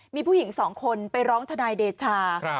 มีผู้หญิงสองคนไปร้องทนายเดชา